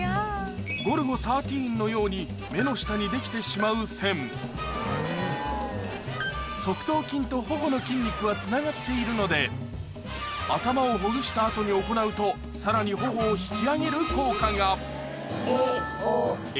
ゴルゴ１３のように目の下にできてしまう線側頭筋と頬の筋肉はつながっているので頭をほぐした後に行うとさらに頬を引き上げる効果がえおえ